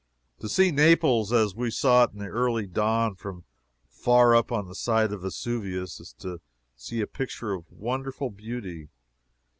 To see Naples as we saw it in the early dawn from far up on the side of Vesuvius, is to see a picture of wonderful beauty.